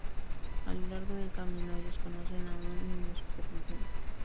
A lo largo del camino, ellos conocen a un niño superviviente.